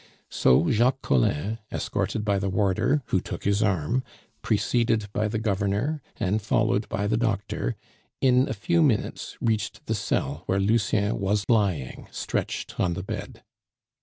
So Jacques Collin, escorted by the warder, who took his arm, preceded by the governor, and followed by the doctor, in a few minutes reached the cell where Lucien was lying stretched on the bed.